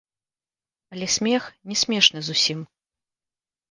Але смех не смешны зусім.